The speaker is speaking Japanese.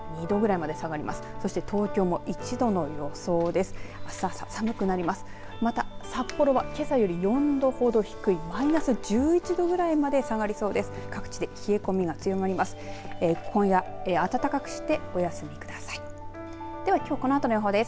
また、札幌はけさより４度ほど低いマイナス１１度ぐらいまで下がりそうです。